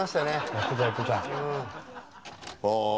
やってたやってた。